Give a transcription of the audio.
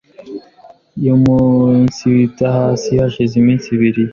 yiumunsibita hasi hashize iminsi ibiri